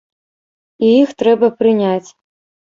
І іх трэба прыняць.